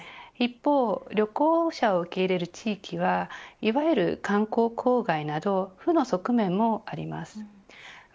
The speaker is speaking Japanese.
一方、旅行者を受け入れる地域はいわゆる観光公害など負の側面もあります。